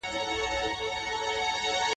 نوي بدلونونه باید تر پخوانیو هغو ډېر غوره وي.